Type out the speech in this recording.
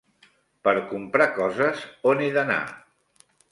Per comprar coses, on he d'anar?